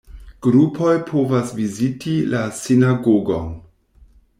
Grupoj povas viziti la sinagogon.